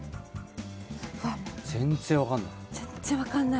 全然分かんない。